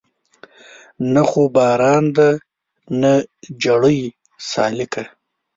نه خو باران دی نه جړۍ سالکه